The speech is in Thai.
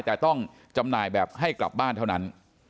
แต่ต้องจำหน่ายแบบให้กลับบ้านเท่านั้น